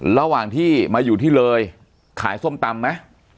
ระหว่างที่มาอยู่ที่เลยขายส้มตำไหม